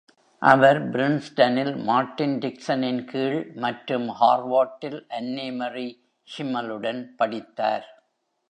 அவர் பிரின்ஸ்டனில் மார்ட்டின் டிக்சனின் கீழ் மற்றும் ஹார்வர்டில் அன்னேமரி ஷிம்மலுடன் படித்தார்.